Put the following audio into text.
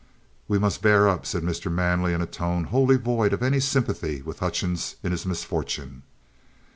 "We must bear up," said Mr. Manley, in a tone wholly void of any sympathy with Hutchings in his misfortune.